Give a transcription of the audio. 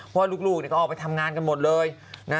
เพราะลูกก็ออกไปทำงานกันหมดเลย